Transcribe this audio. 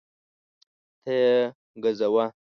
ته یې ګزوه